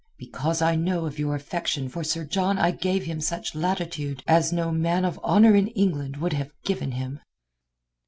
Because I know of your affection for Sir John I gave him such latitude as no man of honour in England would have given him."